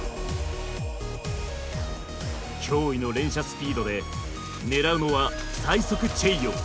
驚異の連射スピードで狙うのは最速チェイヨー。